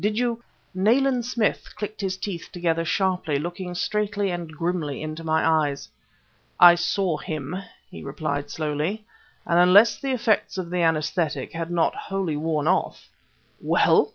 Did you ..." Nayland Smith clicked his teeth together sharply, looking straightly and grimly into my eyes. "I saw him!" he replied slowly; "and unless the effects of the anaesthetic had not wholly worn off ..." "Well!"